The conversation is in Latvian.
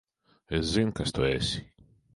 Es zinu, kas tu esi.